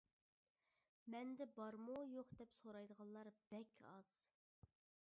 مەندە بارمۇ يوق دەپ سورايدىغانلار بەك ئاز.